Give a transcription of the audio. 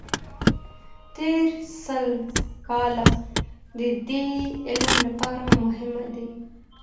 تېر سل کاله د دې علم لپاره مهم دي.